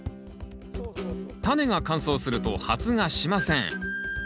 タネが乾燥すると発芽しません。